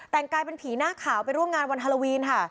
แต่งกายเป็นผีหน้าขาวไปร่วมงานวันฮาโลวีนค่ะ